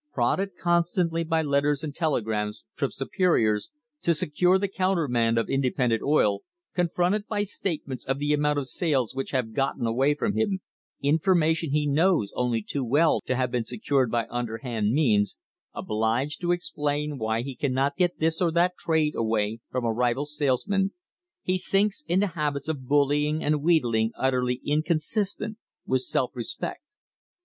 Prodded constantly by letters and telegrams from superiors to secure the countermand of independent oil, confronted by statements of the amount of sales which have CUTTING TO KILL gotten away from him, information he knows only too well to have been secured by underhand means, obliged to ex plain why he cannot get this or that trade away from a rival salesman, he sinks into habits of bullying and wheedling utterly inconsistent with self respect.